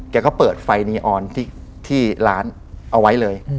ก็เปิดไฟนีออนที่ร้านเอาไว้เลย